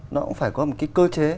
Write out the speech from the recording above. nó cũng phải có một cái cơ chế